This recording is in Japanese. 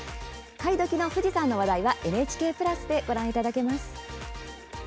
「かいドキ」の富士山の話題はＮＨＫプラスでご覧いただけます。